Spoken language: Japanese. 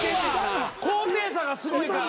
高低差がすごいから。